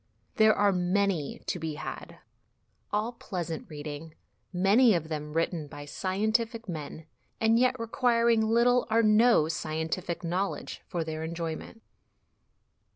There are many l to be had, all pleasant reading, many of them written by scientific men, and yet requiring little or no scientific knowledge for their enjoyment.